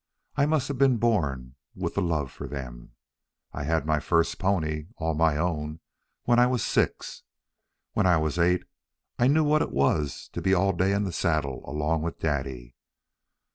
I must have been born with the love for them. I had my first pony, all my own, when I was six. When I was eight I knew what it was to be all day in the saddle along with Daddy.